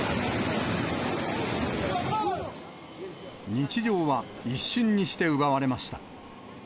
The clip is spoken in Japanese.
日常は一瞬にして奪われました。